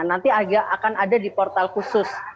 nanti akan ada di portal khusus